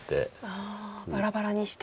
ああバラバラにして。